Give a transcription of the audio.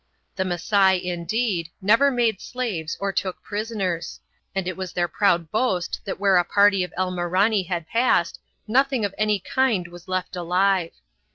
The Masai, indeed, never made slaves or took prisoners, and it was their proud boast that where a party of elmorani had passed, nothing of any kind was left alive.